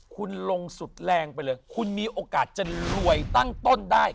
คุณลงสุดแรงไปเลยคุณมีโอกาสจะรวยตั้งต้นได้